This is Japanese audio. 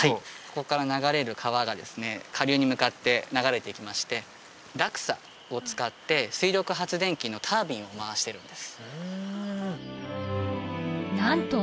ここから流れる川が下流に向かって流れていきまして落差を使って水力発電機のタービンを回してるんですなんと